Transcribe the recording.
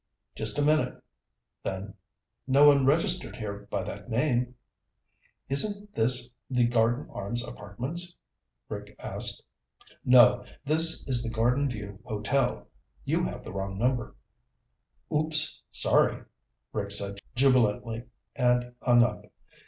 "Just a minute." Then, "No one registered here by that name." "Isn't this the Garden Arms Apartments?" Rick asked. "No. This is the Garden View Hotel. You have the wrong number." "Oops, sorry," Rick said jubilantly, and hung up.